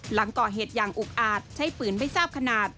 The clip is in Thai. หลังก่อเหตุอย่างอุกอาจใช้ปืนไม่ทราบขนาด